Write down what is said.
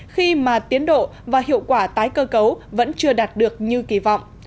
khi mà tiến độ và hiệu quả tái cơ cấu vẫn chưa đạt được như kỳ vọng